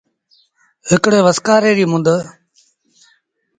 هڪڙيٚ وسڪآري ريٚ مند۔